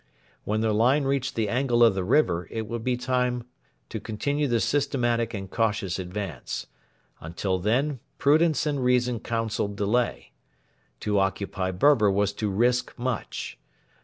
When the line reached the angle of the river, it would be time to continue the systematic and cautious advance. Until then prudence and reason counselled delay. To occupy Berber was to risk much.